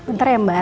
ntar ya mbak